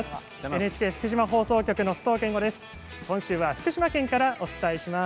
ＮＨＫ福島放送局の須藤健吾です。